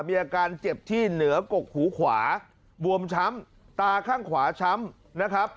มีอาการเจ็บที่เหนือกกหูขวาบวมช้ำตาข้างขวาช้ำนะครับ